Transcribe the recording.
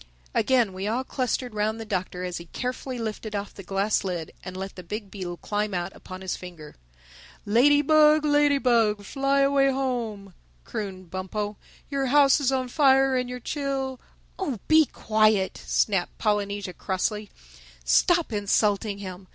Again we all clustered round the Doctor as he carefully lifted off the glass lid and let the big beetle climb out upon his finger. "Ladybug, Ladybug, fly away home!" crooned Bumpo. "Your house is on fire and your chil—" "Oh, be quiet!" snapped Polynesia crossly. "Stop insulting him!